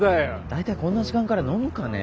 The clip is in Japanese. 大体こんな時間から飲むかね。